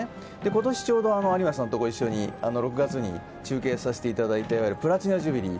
今年ちょうど有馬さんとご一緒に６月に中継をさせていただいたいわゆるプラチナジュビリー。